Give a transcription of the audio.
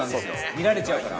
見られちゃうから。